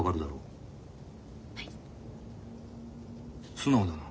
素直だな。